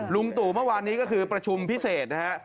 ลุงตู่เมื่อวานนี้ก็คือประชุมพิเศษนะฮะ